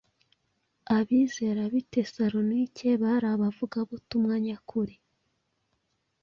Abizera b’i Tesalonike bari abavugabutumwa nyakuri.